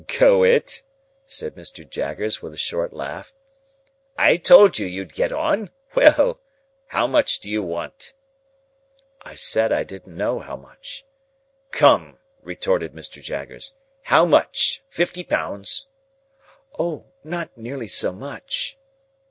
"Go it!" said Mr. Jaggers, with a short laugh. "I told you you'd get on. Well! How much do you want?" I said I didn't know how much. "Come!" retorted Mr. Jaggers. "How much? Fifty pounds?" "O, not nearly so much."